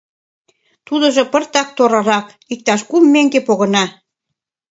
Тудыжо пыртак торарак, иктаж кум меҥге погына.